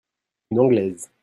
Une Anglaise.